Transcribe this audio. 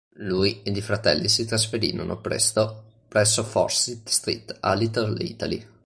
Lui ed i fratelli si trasferirono, presto, presso Forsyth Street, a Little Italy.